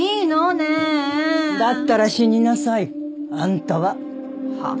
ねえだったら死になさいあんたははあ？